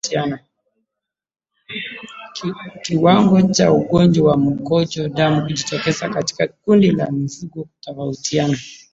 Kiwango cha ugonjwa wa mkojo damu kujitokeza katika kundi la mifugo hutofautiana